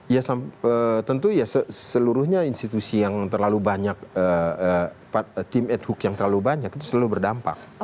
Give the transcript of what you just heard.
ya tentu ya seluruhnya institusi yang terlalu banyak tim ad hoc yang terlalu banyak itu selalu berdampak